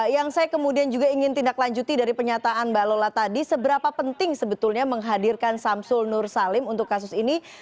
yang saya kemudian juga ingin tindak lanjuti dari penyataan mbak lola tadi seberapa penting sebetulnya menghadirkan samsul nur salim untuk kasus ini